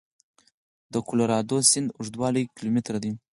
د کلورادو سیند اوږدوالی کیلومتره دی.